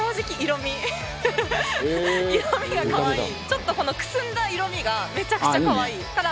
ちょっとこのくすんだ色味がめちゃくちゃ可愛いから。